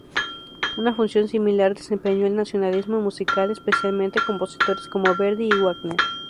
Una función similar desempeñó el nacionalismo musical, especialmente compositores como Verdi y Wagner.